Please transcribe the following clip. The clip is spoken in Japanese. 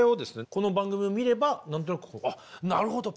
この番組を見れば何となくあっなるほどＰｅｒｆｕｍｅ